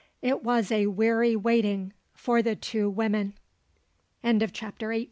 It was a weary waiting for the two women. CHAPTER XIX.